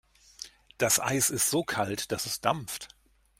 Das Eis ist so kalt, dass es dampft.